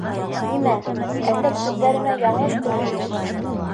Нимә, әллә күҙҙәремә яңылыш күренәме?